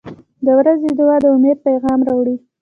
• د ورځې دعا د امید پیغام راوړي.